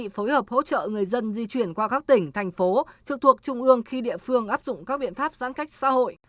phố dân di chuyển qua các tỉnh thành phố trực thuộc trung ương khi địa phương áp dụng các biện pháp giãn cách xã hội